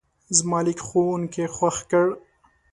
زما لیک ښوونکی خوښ کړ.